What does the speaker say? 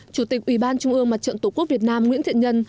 chủ tịch ubnd mặt trận tổ quốc việt nam nguyễn thiện nhân